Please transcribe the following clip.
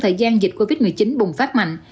thời gian dịch covid một mươi chín bùng phát mạnh